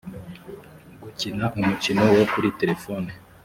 gukina umukino wo kuri telefoni